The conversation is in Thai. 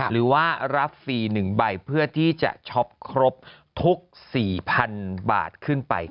หรือว่ารับฟรี๑ใบเพื่อที่จะช็อปครบทุก๔๐๐๐บาทขึ้นไป